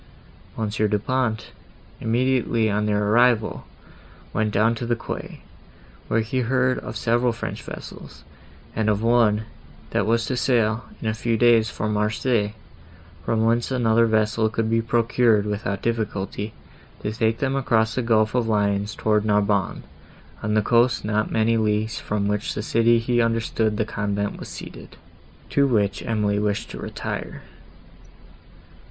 Monsieur Du Pont, immediately on their arrival, went down to the quay, where he heard of several French vessels, and of one, that was to sail, in a few days, for Marseilles, from whence another vessel could be procured, without difficulty, to take them across the gulf of Lyons towards Narbonne, on the coast not many leagues from which city he understood the convent was seated, to which Emily wished to retire.